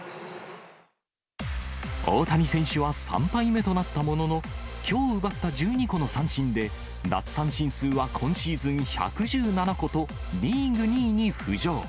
大谷選手は３敗目となったものの、きょう奪った１２個の三振で、奪三振数は今シーズン１１７個と、リーグ２位に浮上。